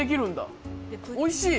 おいしい。